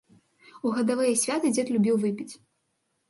У гадавыя святы дзед любіў выпіць.